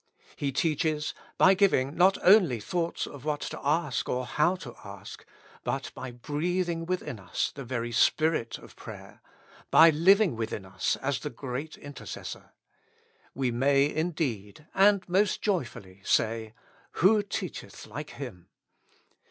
He teaches, by giving not only thoughts of what to ask or how to ask, but by breathing within us the very spirit of prayer, by living within us as the Great Intercessor. We may, indeed, and most joyfully, say, "Who teacheth like Him?"